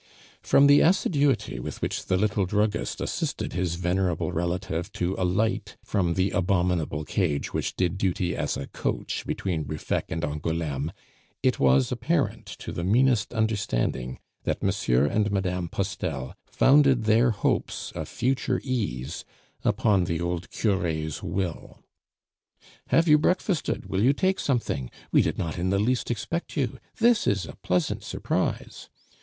From the assiduity with which the little druggist assisted his venerable relative to alight from the abominable cage which did duty as a coach between Ruffec and Angouleme, it was apparent to the meanest understanding that M. and Mme. Postel founded their hopes of future ease upon the old cure's will. "Have you breakfasted? Will you take something? We did not in the least expect you! This is a pleasant surprise!"